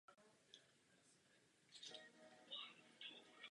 Godefroy se proto rozhodl připojit k výpravě a trvale se usadit ve Svaté zemi.